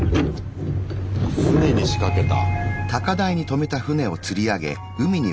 船に仕掛けた。